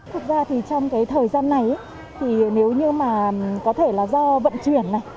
thực ra thì trong cái thời gian này thì nếu như mà có thể là do vận chuyển này